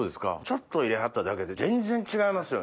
ちょっと入れはっただけで全然違いますよね。